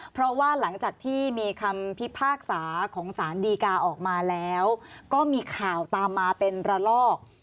เพราะว่าหลังจากที่มีคำพิพากษาของสารดีกาออกมาแล้วก็มีข่าวตามมาเป็นระลอก